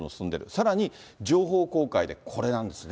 さらに、情報公開でこれなんですね。